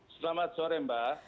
selamat sore mbak